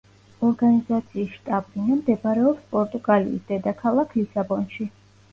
ორგანიზაციის შტაბ-ბინა მდებარეობს პორტუგალიის დედაქალაქ ლისაბონში.